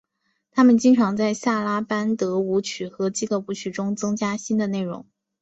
他们经常在萨拉班德舞曲和基格舞曲中增加新的内容。